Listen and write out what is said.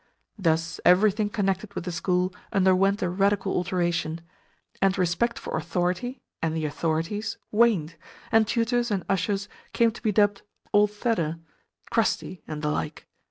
Thus everything connected with the school underwent a radical alteration, and respect for authority and the authorities waned, and tutors and ushers came to be dubbed "Old Thedor," "Crusty," and the like.